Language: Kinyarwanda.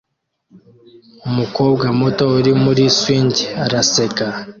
Umukobwa muto uri muri swing araseka